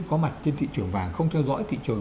có mặt trên thị trường vàng không theo dõi thị trường